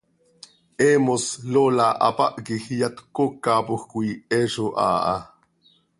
He mos Lola hapáh quij iyat cöcoocapoj coi, he zo haa ha.